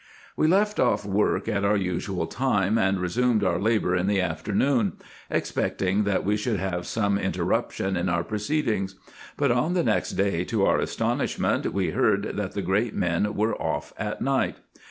We left off work at our usual time, and resumed our labour in the afternoon, expecting that we should have some interruption in our proceedings ; but on the next day to our astonishment we heard, that the great men were off at night.